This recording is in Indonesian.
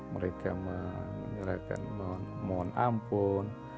mereka menyarankan mohon ampun